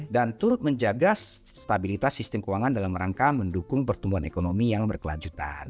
dan turut menjaga stabilitas sistem keuangan dalam rangka mendukung pertumbuhan ekonomi yang berkelanjutan